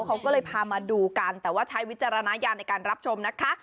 เขาก็เลยพามาดูกันแต่ว่าใช้วิจารณญาณในการรับชมนะคะ